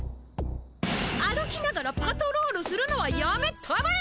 歩きながらパトロールするのはやめたまえ！